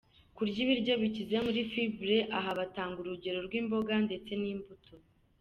Kurya ibiryo bikize muri “fibre”, aha batanga urugero rw’imboga ndetse n’imbuto.